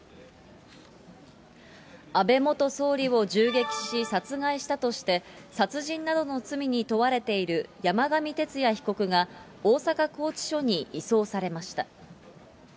安倍元総理を銃撃し、殺害したとして、殺人などの罪に問われている山上徹也被告が、大阪拘置所に移送されました。